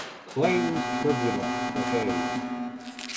Claims Tribunal (The Hague).